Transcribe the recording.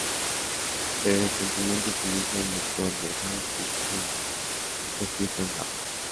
El complemento utiliza el motor de JavaScript Rhino, que está escrito en Java.